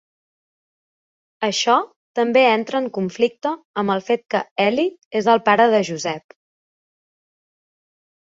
Això també entra en conflicte amb el fet que Heli és el pare de Joseph.